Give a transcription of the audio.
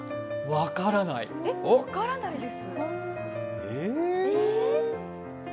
分からないです。